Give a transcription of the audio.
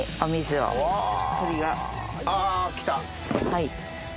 はい。